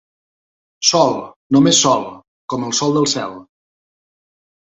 Sol, només Sol, com el sol del cel.